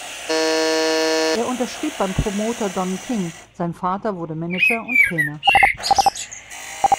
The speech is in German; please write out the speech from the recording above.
Er unterschrieb beim Promoter Don King, sein Vater wurde Manager und Trainer.